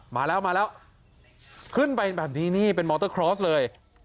มาแล้วมาแล้วขึ้นไปแบบนี้นี่เป็นมอเตอร์คลอสเลย